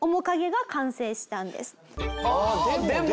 ああでも。